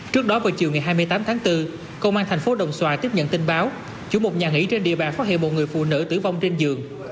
trước đó vào chiều ngày hai mươi tám tháng bốn công an thành phố đồng xoài tiếp nhận tin báo chủ một nhà nghỉ trên địa bàn phát hiện một người phụ nữ tử vong trên giường